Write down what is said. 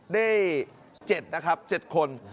ได้๗นะครับ๗คน